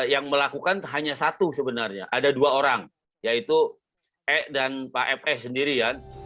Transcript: yang melakukan hanya satu sebenarnya ada dua orang yaitu e dan pak epeh sendirian